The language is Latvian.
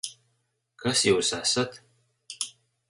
Kas jūs esat?